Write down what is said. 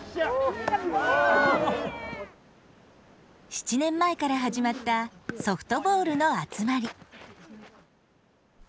７年前から始まったソフトボールの集まり。